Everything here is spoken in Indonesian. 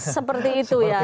seperti itu ya